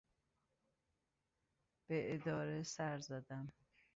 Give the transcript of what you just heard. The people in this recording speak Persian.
به اداره سر زدم.